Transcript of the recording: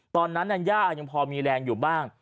หาย่ากูก็ว่าย่ายังพอมีแรงอยู่บ้าง